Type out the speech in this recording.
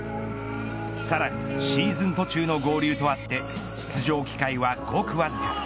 さらにシーズン途中の合流とあって出場機会はごくわずか。